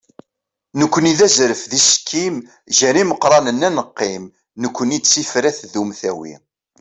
nekkni d azref d isekkim, gar imeqranen ad neqqim, nekkni d tifrat d umtawi.